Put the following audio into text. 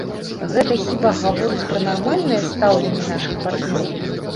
Гэта хіба гаворыць пра нармальнае стаўленне нашых партнёраў?!